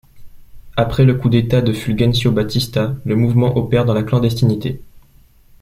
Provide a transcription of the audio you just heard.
Après le coup d'État de Fulgencio Batista, le mouvement opère dans la clandestinité.